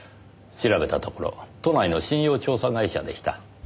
調べたところ都内の信用調査会社でした。